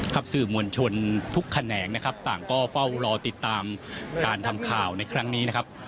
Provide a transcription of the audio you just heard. สื่อมวลชนทุกแขนงนะครับต่างก็เฝ้ารอติดตามการทำข่าวในครั้งนี้นะครับ